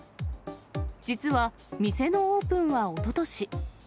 実は、店のオープンはおととし。